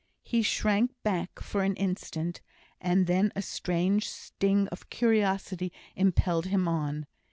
He shrank back for an instant, and then a strange sting of curiosity impelled him on.